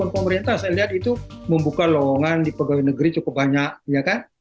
pemerintah saya lihat itu membuka lawangan di pegawai negeri cukup banyak